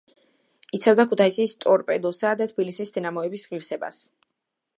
იცავდა ქუთაისის „ტორპედოსა“ და თბილისის „დინამოს“ ღირსებას.